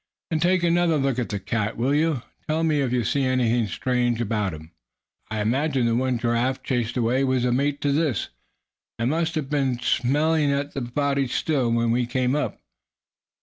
"And take another look at the cat, will you? Tell me if you see anything strange about him? I imagine the one Giraffe chased away was a mate to this, and must have been smelling at the body still, when we came up."